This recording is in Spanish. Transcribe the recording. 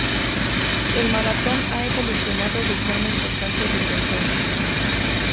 El maratón ha evolucionado de forma importante desde entonces.